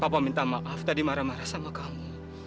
papa minta maaf tadi marah marah sama kamu